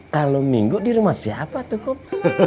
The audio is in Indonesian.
kalau minggu di rumah siapa tuh kok